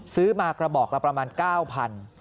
ซื้อมากระบอกละประมาณ๙๐๐บาท